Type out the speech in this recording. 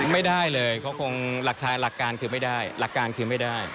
ไม่ได้เลยเขาคงหลักการคือไม่ได้หลักการคือไม่ได้